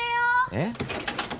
えっ？